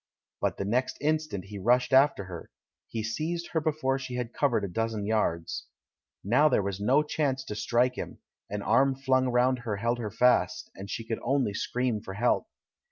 But the next instant he rushed after her; he seized her before she had covered a dozen yards. Now there was no chance to strike him — an arm flung round her held her fast, and she could only scream for help.